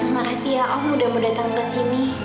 makasih ya aku udah mau datang ke sini